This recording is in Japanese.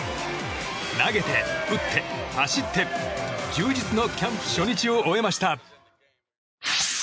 投げて、打って、走って充実のキャンプ初日を終えました。